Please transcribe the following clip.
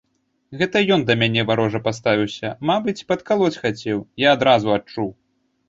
Гэта ён да мяне варожа паставіўся, мабыць, падкалоць хацеў, я адразу адчуў.